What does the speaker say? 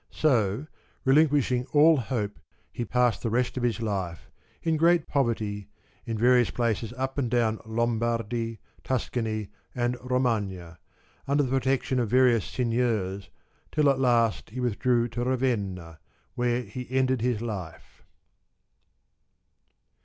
So relinquishing all hope he passed the rest of his life, in great poverty, in various places up and down Lombardy, Tuscany and Romagna, under the protection of various Seigneurs, till at last he withdrew to Ravenna, where he ended his life.